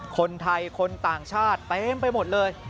คนไทยคนต่างชาติเต็มไปหมดเลย